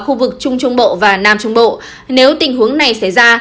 khu vực trung trung bộ và nam trung bộ nếu tình huống này xảy ra